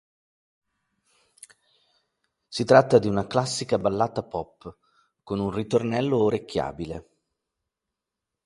Si tratta di una classica ballata pop, con un ritornello orecchiabile.